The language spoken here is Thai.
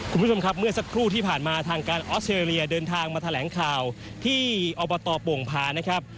คุณผู้ชมครับเมื่อสักครู่ที่ผ่านมาทางการออสเตรเลียเดินทางมาแถลงข่าวที่อบตโป่งพานะครับ